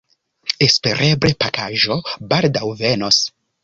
Espereble pakaĵo baldaŭ venos.